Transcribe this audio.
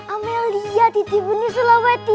amalia titipunnya sulaweti